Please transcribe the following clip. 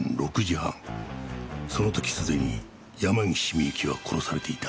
その時すでに山岸ミユキは殺されていた。